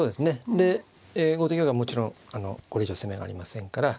で後手玉はもちろんこれ以上攻めがありませんから。